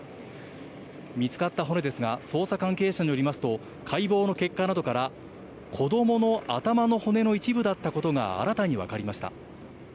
見つかった骨ですが、捜査関係者によりますと解剖の結果などから子供の頭の骨の一部だったことが新たに分かりました。